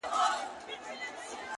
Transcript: o د هوی و های د محفلونو د شرنګاه لوري،